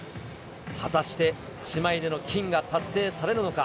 果たして姉妹での金が達成されるのか。